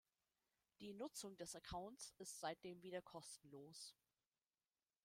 Die Nutzung des Accounts ist seitdem wieder kostenlos.